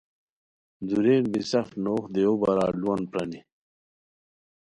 دُورین بی سف نوغ دیوو بارا ُ لوان پرانی